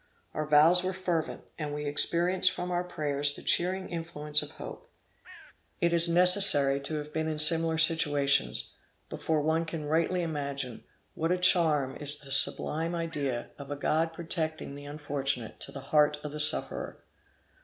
Our vows were fervent, and we experienced from our prayers the cheering influence of hope. It is necessary to have been in similar situations, before one can rightly imagine what a charm is the sublime idea of a God protecting the unfortunate to the heart of the sufferer.